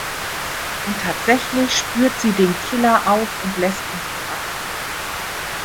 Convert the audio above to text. Und tatsächlich spürt sie den Killer auf und lässt ihn verhaften.